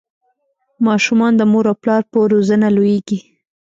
ماشومان د مور او پلار په روزنه لویږي.